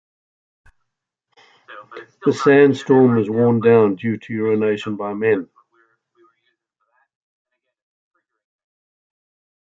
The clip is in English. The sandstone is worn down due to urination by men.